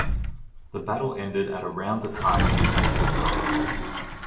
The battle ended at around the time of the Asr prayer.